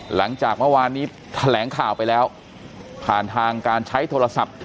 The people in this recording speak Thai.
หลังจากเมื่อวานนี้แถลงข่าวไปแล้วผ่านทางการใช้โทรศัพท์